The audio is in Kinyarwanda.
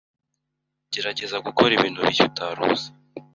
Gerageza gukora ibintu bishya utari uzi